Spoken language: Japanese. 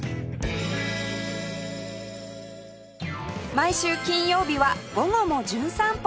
毎週金曜日は『午後もじゅん散歩』